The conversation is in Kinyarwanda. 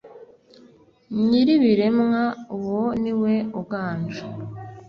Nyiribiremwa uwo niweuganje